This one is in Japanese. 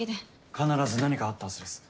必ず何かあったはずです。